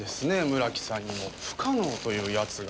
村木さんにも不可能というやつが。